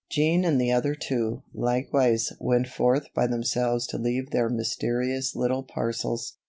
Jean and the other two, likewise, went forth by themselves to leave their mysterious little parcels.